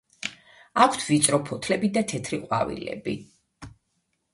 აქვთ ვიწრო ფოთლები და თეთრი ყვავილები.